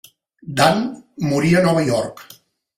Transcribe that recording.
Dan morí a Nova York.